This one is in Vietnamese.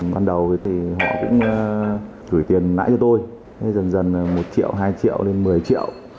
ban đầu thì họ cũng gửi tiền lãi cho tôi dần dần là một triệu hai triệu một mươi triệu năm mươi triệu